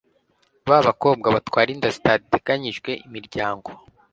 b abakobwa batwara inda zitateganyijwe imiryango